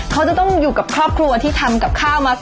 เขาจะต้องอยู่กับครอบครัวที่ทำกับข้าวมา